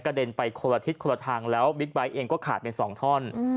เด็นไปคนละทิศคนละทางแล้วบิ๊กไบท์เองก็ขาดไป๒ท่อน